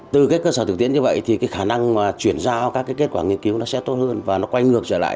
từ cơ sở thực tiễn như vậy thì khả năng chuyển giao các kết quả nghiên cứu sẽ tốt hơn và nó quay ngược trở lại